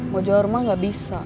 mau jual rumah nggak bisa